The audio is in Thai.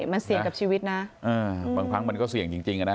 มันเสี่ยงกับชีวิตน่ะอืมบางครั้งมันก็เสี่ยงจริงจริงอ่ะน่ะ